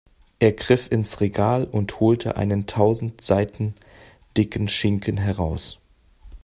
Er griff ins Regal und holte einen tausend Seiten dicken Schinken heraus.